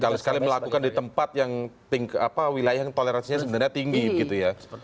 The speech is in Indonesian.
sekali sekali melakukan di tempat yang wilayah yang toleransinya sebenarnya tinggi gitu ya